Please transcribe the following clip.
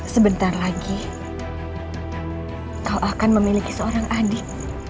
sebentar lagi kau akan memiliki seorang adik